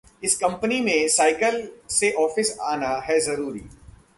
इस कंपनी में साइकिल से ऑफिस आना है जरूरी